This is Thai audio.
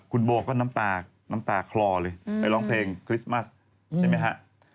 คุณโบก็น้ำตาน้ำตาคลอเลยไปร้องเพลงคริสต์มัสใช่ไหมฮะ